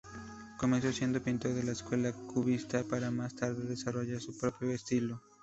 Comenzó siendo pintor de la escuela Cubista, para más tarde desarrollar su propio estilo.